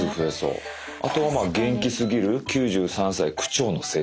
「あとは元気すぎる９３歳区長の生活」。